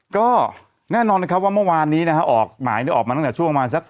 ก็แน่นอนนะครับว่าเมื่อวานนี้นะฮะออกหมายออกมาตั้งแต่ช่วงประมาณสัก